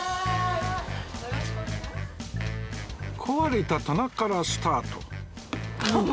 壊れた棚からスタート